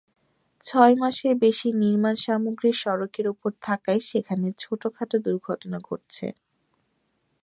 ছয় মাসের বেশি নির্মাণসামগ্রী সড়কের ওপর থাকায় সেখানে ছোটখাটো দুর্ঘটনা ঘটেছে।